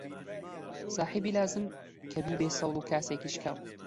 ساحیبی لازم کە بیبێ سەوڵ و کاسێکی شکاو